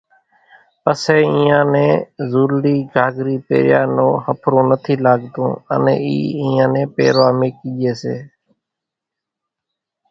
پسيَ اينيان نين زُولڙِي گھاگھرِي پيريان نون ۿڦرون نٿِي لاڳتون انين اِي اينيان نين پيروا ميڪِي ڄيَ سي۔